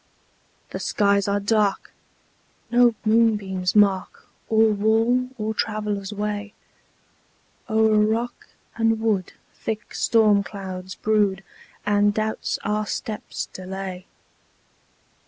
The skies are dark! No moonbeams mark Or wall, or traveller's way: O'er rock and wood thick storm clouds brood, And doubts our steps delay.